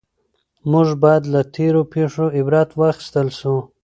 موږ باید له تېرو پېښو عبرت واخیستل سو.